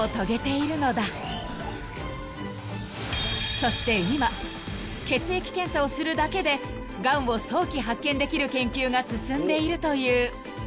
［そして今血液検査をするだけでがんを早期発見できる研究が進んでいるという］